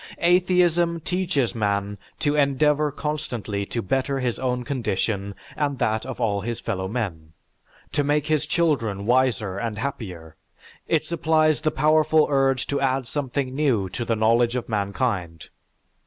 Atheism teaches man to endeavor constantly to better his own condition and that of all of his fellowmen, to make his children wiser and happier; it supplies the powerful urge to add something new to the knowledge of mankind.